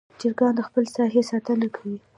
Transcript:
چرګان د خپل ساحې ساتنه کوي.